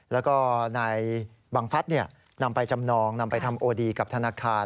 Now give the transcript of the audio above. แล้วก็นายบังฟัฐนำไปจำนองนำไปทำโอดีกับธนาคาร